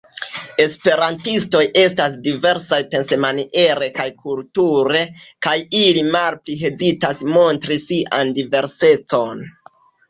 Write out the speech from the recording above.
Esperantistoj estas diversaj pensmaniere kaj kulture, kaj ili malpli hezitas montri sian diversecon.